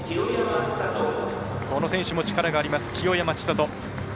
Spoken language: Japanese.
この選手も力があります清山ちさと。